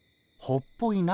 ほっぽいな？